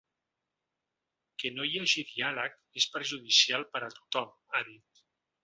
Que no hi hagi diàleg és perjudicial per a tothom, ha dit.